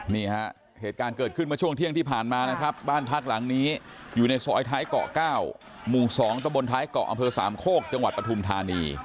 นี่ฮะเหตุการณ์เกิดขึ้นเมื่อช่วงเที่ยงที่ผ่านมานะครับบ้านพักหลังนี้อยู่ในซอยท้ายเกาะ๙หมู่๒ตะบนท้ายเกาะอำเภอสามโคกจังหวัดปฐุมธานี